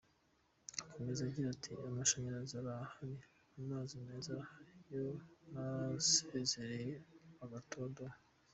Akomeza agira ati “Amashanyarazi arahari, amazi meza arahari, yooo, nasezereye agatadowa.